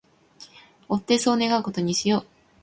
追ってそう願う事にしよう